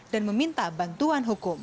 dan meminta bantuan hukum